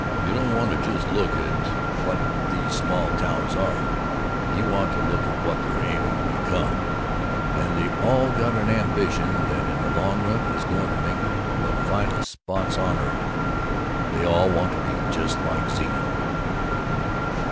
You don't want to just look at what these small towns are, you want to look at what they're aiming to become, and they all got an ambition that in the long run is going to make 'em the finest spots on earth they all want to be just like Zenith!"